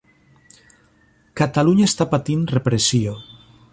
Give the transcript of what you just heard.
Catalunya està patint repressió.